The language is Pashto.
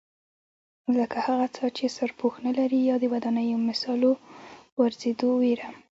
لکه هغه څاه چې سرپوښ نه لري یا د ودانیو د مسالو غورځېدو وېره.